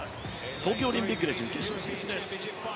東京オリンピックでは準決勝進出です。